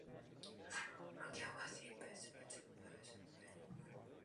Rohilkhand was invaded by the Marathas after Panipat war.